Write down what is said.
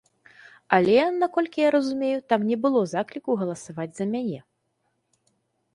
Але, наколькі я разумею, там не было закліку галасаваць за мяне.